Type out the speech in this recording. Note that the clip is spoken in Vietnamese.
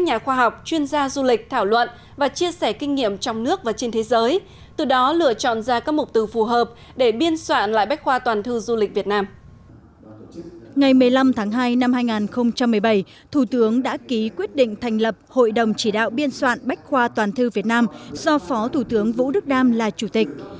ngày một mươi năm tháng hai năm hai nghìn một mươi bảy thủ tướng đã ký quyết định thành lập hội đồng chỉ đạo biên soạn bách khoa toàn thư việt nam do phó thủ tướng vũ đức đam là chủ tịch